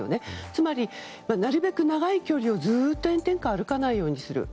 つまり、なるべく長い距離をずっと炎天下で歩かないようにする。